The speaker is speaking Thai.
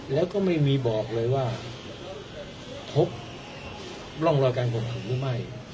แล้วก็ไม่มีบอกเลยว่าพบร่องรอยการข่มขืนหรือไม่